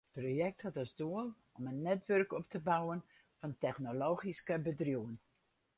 It projekt hat as doel om in netwurk op te bouwen fan technologyske bedriuwen.